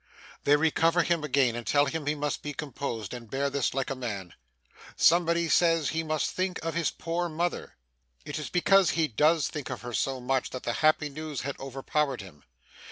They recover him again, and tell him he must be composed, and bear this like a man. Somebody says he must think of his poor mother. It is because he does think of her so much, that the happy news had overpowered him.